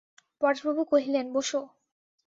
পরেশবাবু কহিলেন, বোসো।